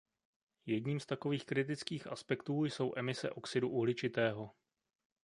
Jedním z takových kritických aspektů jsou emise oxidu uhličitého.